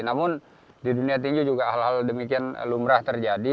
namun di dunia tinju juga hal hal demikian lumrah terjadi